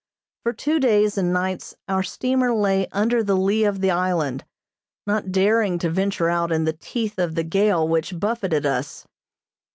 For two days and nights our steamer lay under the lee of the island, not daring to venture out in the teeth of the gale which buffeted us.